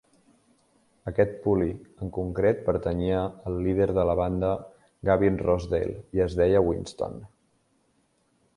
Aquest Puli en concret pertanyia al líder de la banda Gavin Rossdale i es deia Winston.